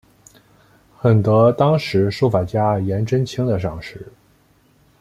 很得当时书法家颜真卿的赏识。